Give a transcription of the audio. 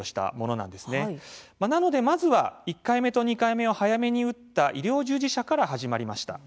なのでまずは１回目と２回目を早めに打った医療従事者から始まりました。